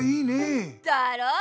だろう？